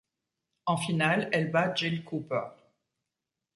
En finale, elle bat Jill Cooper.